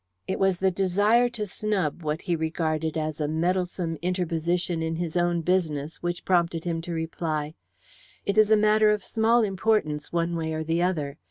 It was the desire to snub what he regarded as a meddlesome interposition in his own business which prompted him to reply: "It is a matter of small importance, one way or the other.